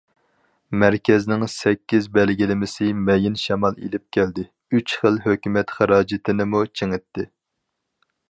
مەركەزنىڭ سەككىز بەلگىلىمىسى مەيىن شامال ئېلىپ كەلدى، ئۈچ خىل ھۆكۈمەت خىراجىتىنىمۇ چىڭىتتى.